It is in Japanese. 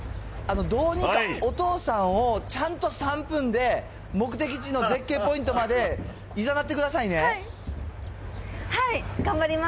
どうにかお父さんをちゃんと３分で目的地の絶景ポイントまでいざはい、頑張ります。